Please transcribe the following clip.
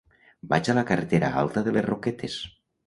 Vaig a la carretera Alta de les Roquetes.